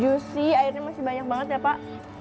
juicy airnya masih banyak banget ya pak